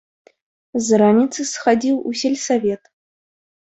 З раніцы схадзіў у сельсавет.